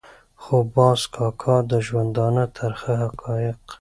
خو باز کاکا د ژوندانه ترخه حقایق.